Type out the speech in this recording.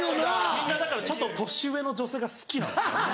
みんなだからちょっと年上の女性が好きなんですよ。